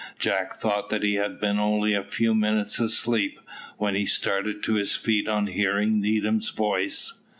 Jack thought that he had been only a few minutes asleep, when he started to his feet on hearing Needham's voice.